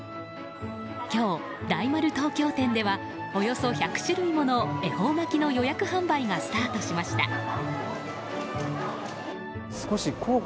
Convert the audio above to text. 今日、大丸東京店ではおよそ１００種類の恵方巻きの予約販売がスタートしました。